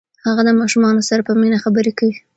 هغه د ماشومانو سره په مینه خبرې کوي.